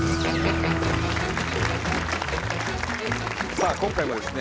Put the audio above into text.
さあ今回もですね